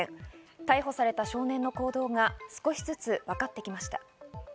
逮捕された少年の行動が少しずつわかってきました。